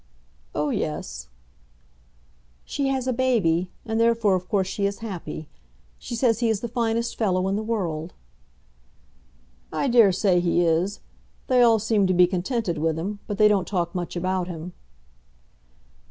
"Oh, yes." "She has a baby, and therefore of course she is happy. She says he is the finest fellow in the world." "I dare say he is. They all seem to be contented with him, but they don't talk much about him."